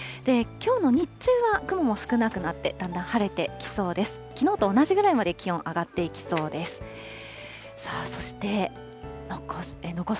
きょうの日中は雲も少なくなって、だんだん晴れてきそうです。